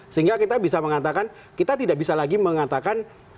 sehingga kita bisa mengatakan kita tidak bisa lagi mengatakan mana yang kita inginkan